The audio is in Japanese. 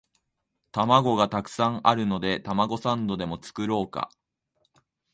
玉子がたくさんあるのでたまごサンドでも作ろうか